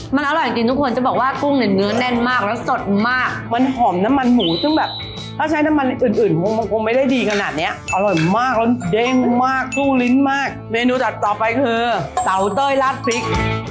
มันอร่อยจริงทุกคนจะบอกว่ากุ้งเนี่ยเนื้อแน่นมากแล้วสดมากมันหอมน้ำมันหมูซึ่งแบบถ้าใช้น้ำมันอื่นอื่นคงไม่ได้ดีขนาดเนี้ยอร่อยมากแล้วเด้งมากสู้ลิ้นมากเมนูดัดต่อไปคือเสาเต้ยราดพริก